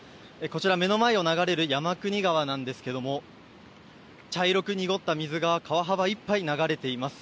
目の前を流れる山国川なんですけれども茶色く濁った水が川幅いっぱい流れています。